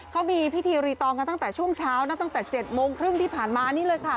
เขามีพิธีรีตองกันตั้งแต่ช่วงเช้านะตั้งแต่๗โมงครึ่งที่ผ่านมานี่เลยค่ะ